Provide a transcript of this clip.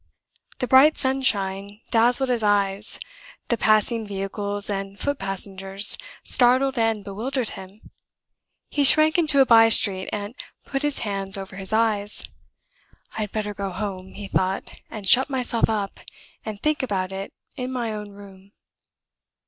The bright sunshine dazzled his eyes, the passing vehicles and foot passengers startled and bewildered him. He shrank into a by street, and put his hand over his eyes. "I'd better go home," he thought, "and shut myself up, and think about it in my own room."